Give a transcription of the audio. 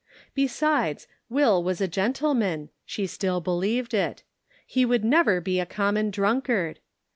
Besides, Will was a gentleman, she still believed it ; he would never be a common drunkard